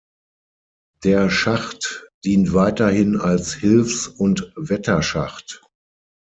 Der Schacht dient weiterhin als Hilfs- und Wetterschacht.